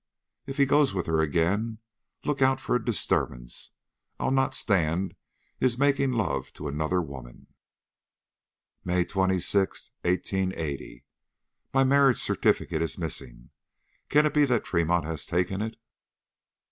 If he goes with her again, look out for a disturbance. I'll not stand his making love to another woman." "MAY 26, 1880. My marriage certificate is missing. Can it be that Tremont has taken it?